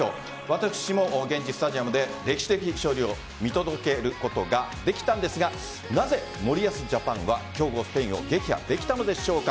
私も現地スタジアムで歴史的勝利を見届けることができたんですがなぜ森保ジャパンは強豪・スペインを撃破できたのでしょうか。